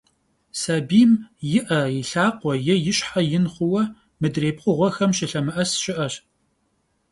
Сабийм и Ӏэ, и лъакъуэ е и щхьэ ин хъууэ, мыдрей пкъыгъуэхэм щылъэмыӀэс щыӀэщ.